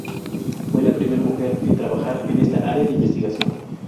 Fue la primera mujer en trabajar en esta área de investigación.